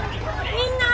みんな！